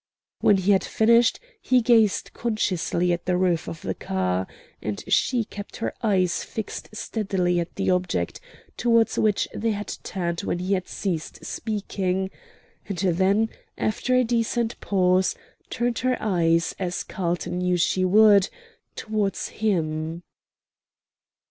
When he had finished he gazed consciously at the roof of the car, and she kept her eyes fixed steadily at the object towards which they had turned when he had ceased speaking, and then, after a decent pause, turned her eyes, as Carlton knew she would, towards him.